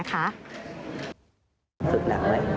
ศึกหนักไหม